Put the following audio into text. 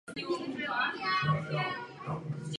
Velmi se zmenšuje úrodnost těchto půd.